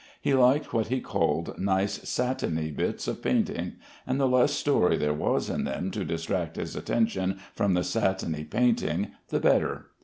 He liked what he called nice "satiny" bits of painting, and the less story there was in them to distract his attention from the "satiny" painting the better.